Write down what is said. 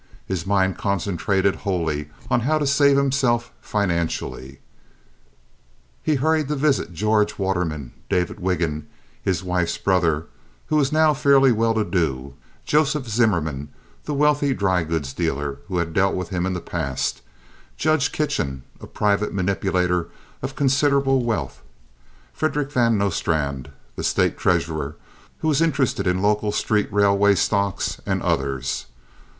His mind concentrated wholly on how to save himself financially. He hurried to visit George Waterman; David Wiggin, his wife's brother, who was now fairly well to do; Joseph Zimmerman, the wealthy dry goods dealer who had dealt with him in the past; Judge Kitchen, a private manipulator of considerable wealth; Frederick Van Nostrand, the State treasurer, who was interested in local street railway stocks, and others.